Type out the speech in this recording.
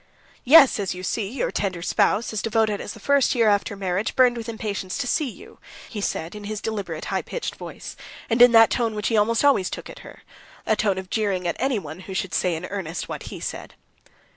"Yes, as you see, your tender spouse, as devoted as the first year after marriage, burned with impatience to see you," he said in his deliberate, high pitched voice, and in that tone which he almost always took with her, a tone of jeering at anyone who should say in earnest what he said.